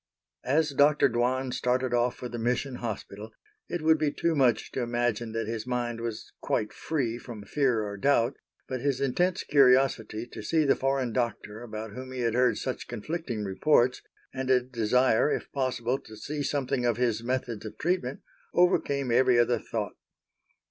As Dr. Dwan started off for the Mission Hospital, it would be too much to imagine that his mind was quite free from fear or doubt, but his intense curiosity to see the foreign Doctor about whom he had heard such conflicting reports, and a desire, if possible, to see something of his methods of treatment, overcame every other thought.